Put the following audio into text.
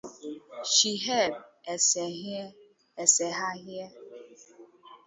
Chiheb Esseghaier